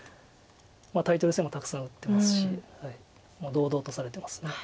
タイトル戦もたくさん打ってますし堂々とされてます。